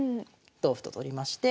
同歩と取りまして。